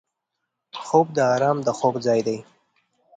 خوب د آرام د خوب ځای دی